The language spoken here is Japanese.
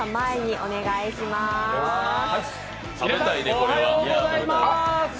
おはようございます。